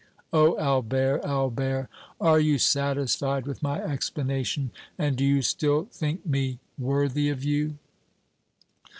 Oh! Albert, Albert, are you satisfied with my explanation and do you still think me worthy of you?"